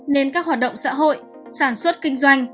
nên các hoạt động xã hội sản xuất kinh doanh